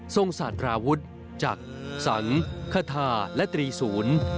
ทรงสาธาราวุฒิจักรสังค์คฑาและตรีศูนย์